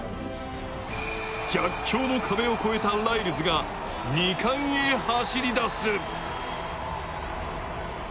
逆境の壁を超えたライルズが２冠へ走り出す。